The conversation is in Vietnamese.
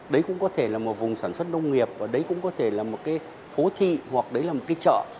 đấy cũng có thể là một vùng sản xuất nông nghiệp đấy cũng có thể là một phố thị hoặc đấy là một chợ